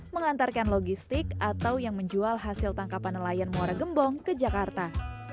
mengantarkan logistik atau yang menjual hasil tangkapan nelayan muara gembong ke jakarta